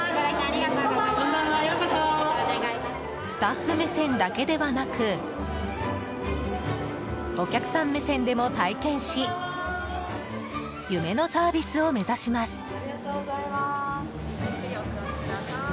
スタッフ目線だけではなくお客さん目線でも体験し夢のサービスを目指します。